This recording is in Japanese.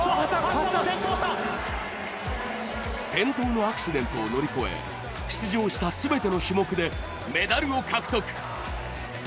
転倒のアクシデントを乗り越え、出場した全ての種目でメダルを獲得。